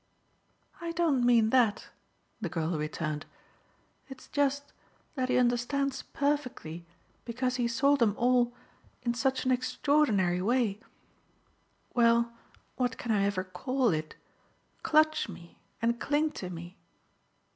"I don't mean that," the girl returned "it's just that he understands perfectly, because he saw them all, in such an extraordinary way well, what can I ever call it? clutch me and cling to me."